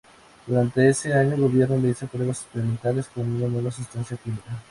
Durante ese año, el gobierno realiza pruebas experimentales con una nueva sustancia química.